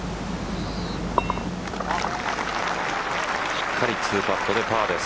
しっかり２パットでパーです。